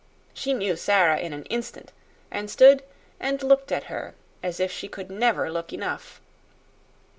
She knew Sara in an instant, and stood and looked at her as if she could never look enough.